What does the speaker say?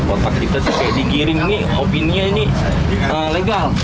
otak kita sih kayak digiring nih opininya ini legal